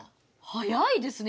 早いですね